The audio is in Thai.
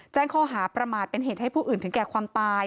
แจ้งข้อหาประมาทเป็นเหตุให้ผู้อื่นถึงแก่ความตาย